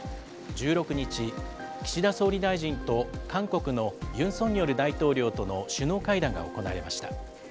１６日、岸田総理大臣と韓国のユン・ソンニョル大統領との首脳会談が行われました。